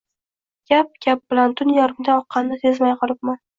Gap-gap bilan tun yarmidan oqqanini sezmay qolibman